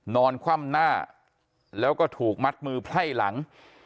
นอนคว่ำหน้าแล้วก็ถูกมัดมือไพ่หลัง